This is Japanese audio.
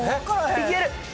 いける。